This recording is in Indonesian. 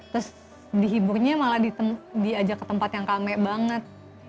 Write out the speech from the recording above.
terus dihiburnya malah diajak ke tempat yang kame banget